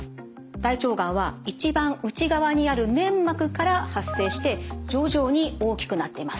大腸がんは一番内側にある粘膜から発生して徐々に大きくなってます。